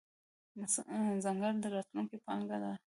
ځنګل د راتلونکې پانګه ده.